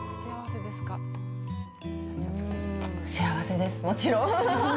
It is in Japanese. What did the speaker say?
幸せです、もちろん。